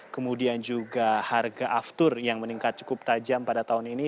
kemudian juga harga aftur yang meningkat cukup tajam pada tahun ini